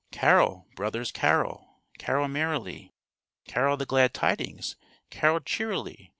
"_Carol, brothers, carol! Carol merrily! Carol the glad tidings, Carol cheerily!